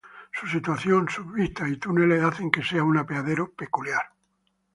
Su situación, sus vistas y túneles hacen que sea un apeadero peculiar.